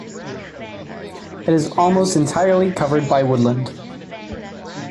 It is almost entirely covered by woodland.